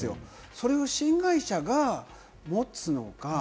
それを新会社が持つのか？